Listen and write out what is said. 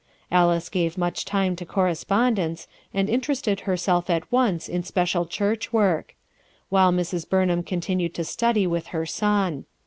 Alice gave much time to IDEAL CONDITIONS 75 despondence, and interested herself at once in special church work; while Mrs. Burnham continued to study with her son.